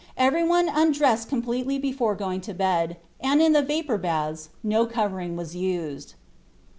Everyone undressed completely before going to bed, and, in the vapor baths, no covering was used.